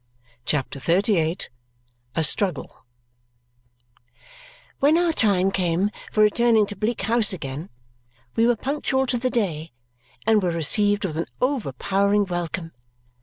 CHAPTER XXXVIII A Struggle When our time came for returning to Bleak House again, we were punctual to the day and were received with an overpowering welcome.